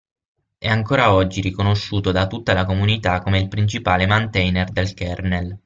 È ancora oggi riconosciuto da tutta la comunità come il principale mantainer del kernel.